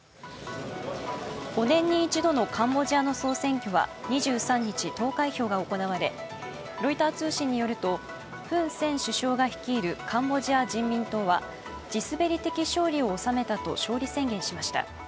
５年に一度のカンボジアの総選挙は２３日、投開票が行われ、ロイター通信によるとフン・セン首相が率いるカンボジア人民党は地滑り的勝利を収めたと勝利宣言をしました。